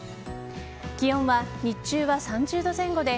気温は日中は３０度前後で